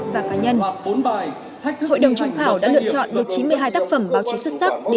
và cá nhân bốn bài hội đồng trung khảo đã lựa chọn được chín mươi hai tác phẩm báo chí xuất sắc để